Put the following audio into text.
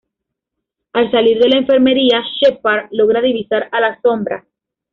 Al salir de la enfermería, Sheppard logra divisar a la "sombra".